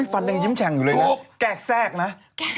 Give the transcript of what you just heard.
ฟันเรียงยิ้มแชงอยู่เลยนะแกล้กแซกนะแกล้กแซก